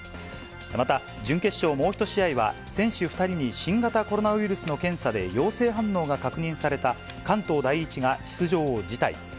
また、準決勝もう一試合は、選手２人に新型コロナウイルスの検査で陽性反応が確認された、関東第一が出場を辞退。